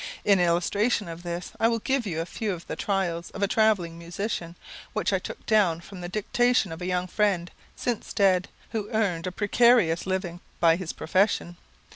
In illustration of this, I will give you a few of the trials of a travelling musician, which I took down from the dictation of a young friend, since dead, who earned a precarious living by his profession.